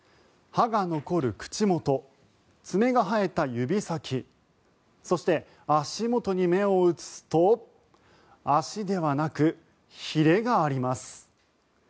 歯が残る口元、爪が生えた指先そして、足元に目を移すと足ではなく、ひれがあります。